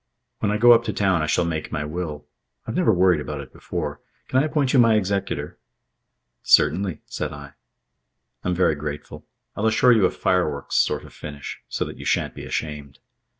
"When I get up to town I shall make my will. I've never worried about it before. Can I appoint you my executor?" "Certainly," said I. "I'm very grateful. I'll assure you a fireworks sort of finish, so that you shan't be ashamed.